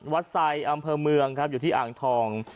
ไซด์อำเภอเมืองครับอยู่ที่อ่างทอง